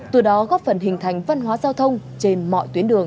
từ đó góp phần hình thành văn hóa giao thông trên mọi tuyến đường